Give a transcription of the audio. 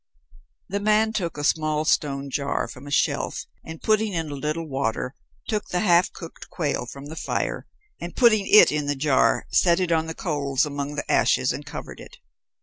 The man took a small stone jar from a shelf and putting in a little water, took the half cooked quail from the fire, and putting it in the jar set it on the coals among the ashes, and covered it.